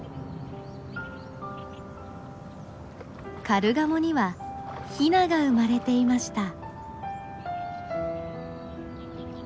カルガモにはヒナが生まれていました。